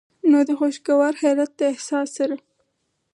نو د خوشګوار حېرت د احساس سره